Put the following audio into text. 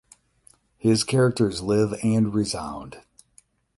His characters live and resound.